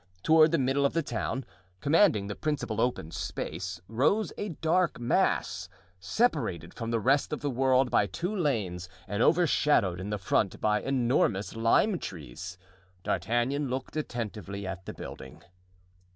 Toward the middle of the town, commanding the principal open space, rose a dark mass, separated from the rest of the world by two lanes and overshadowed in the front by enormous lime trees. D'Artagnan looked attentively at the building.